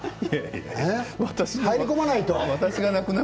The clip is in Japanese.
入り込まないと。